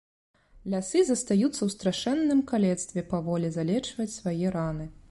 Лясы застаюцца ў страшэнным калецтве паволі залечваць свае раны.